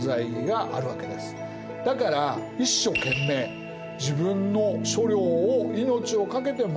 だから一所懸命自分の所領を命を懸けて守り